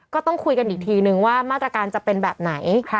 ก็ต้องคุยกันอีกทีนึงว่ามาตรการจะเป็นแบบไหน